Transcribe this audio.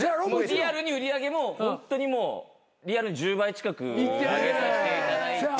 リアルに売り上げもホントにもうリアルに１０倍近く上げさせていただいて。